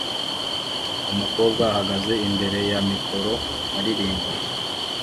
Umukobwa ahagaze imbere ya mikoro aririmba